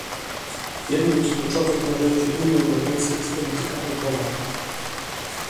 Jednym z kluczowych narzędzi Unii Europejskiej jest polityka handlowa